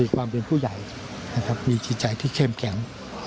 ความเป็นผู้ใหญ่นะครับมีจิตใจที่เข้มแข็ง